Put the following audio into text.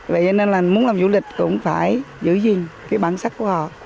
vậy cho nên là muốn làm du lịch cũng phải giữ gìn cái bản sắc của họ